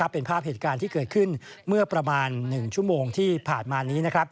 เป็นภาพเหตุการณ์ที่เกิดขึ้นเมื่อประมาณ๑ชั่วโมงที่ผ่านมานี้